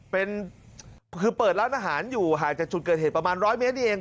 เป็นคือเปิดร้านอาหารอยู่หากจะชุดเกิดเหตุประมาณ๑๐๐เมตรนี่เอง